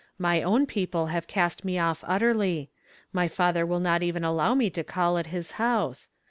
My own people have cast me off utforly. My father will not even allow me to call at his house.